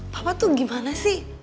papa tuh gimana sih